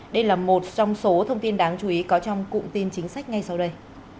đây là một trong số thông tin đáng chú ý có trong cụm tin chính sách ngay sau đây